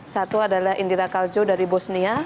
satu adalah indira kaljo dari bosnia